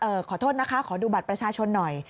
ขอโทษนะคะขอดูบัตรประชาชนหน่อย